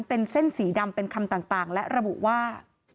เป็นเส้นสีดำเป็นคำต่างและระบุว่า